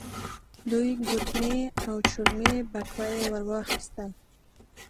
دوې ګوتمۍ او چرمې بټوه يې ور واخيستل.